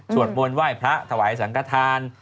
สวดมนต์ไหว้พระถวายสังกระทาน